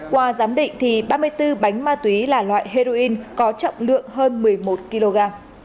qua giám định ba mươi bốn bánh ma túy là loại heroin có trọng lượng hơn một mươi một kg